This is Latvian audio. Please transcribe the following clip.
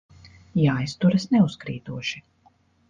Jāizturas neuzkrītoši.